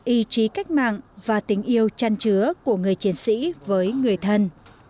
ý chí cách mạng và tình yêu chăn chứa của người chiến sĩ với người thân